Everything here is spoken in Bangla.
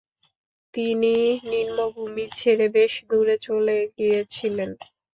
তিনি নিম্নভূমি ছেড়ে বেশ দূরে চলে গিয়েছিলেন।